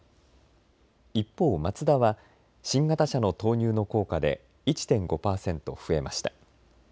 一方、マツダは新型車の投入の効果で１．５％増えました。